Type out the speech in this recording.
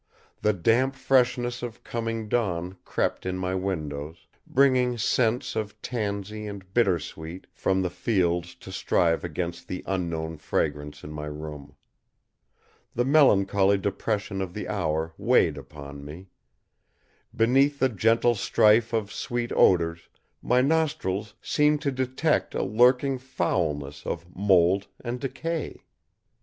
The damp freshness of coming dawn crept in my windows, bringing scents of tansy and bitter sweet from the fields to strive against the unknown fragrance in my room. The melancholy depression of the hour weighed upon me. Beneath the gentle strife of sweet odors, my nostrils seemed to detect a lurking foulness of mould and decay.